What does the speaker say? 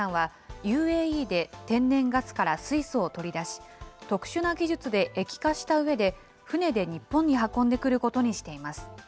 ＥＮＥＯＳと三井物産は、ＵＡＥで天然ガスから水素を取り出し、特殊な技術で液化したうえで、船で日本に運んでくることにしています。